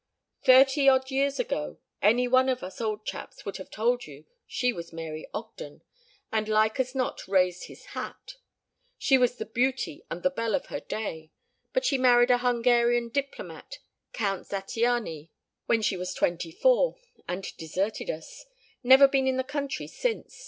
"Thirty odd years ago any one of us old chaps would have told you she was Mary Ogden, and like as not raised his hat. She was the beauty and the belle of her day. But she married a Hungarian diplomat, Count Zattiany, when she was twenty four, and deserted us. Never been in the country since.